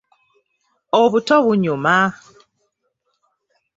Obuto bunyuma!